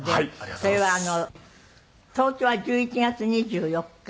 それは東京は１１月２４日。